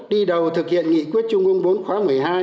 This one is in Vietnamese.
đi đầu thực hiện nghị quyết chung quân bốn khóa một mươi hai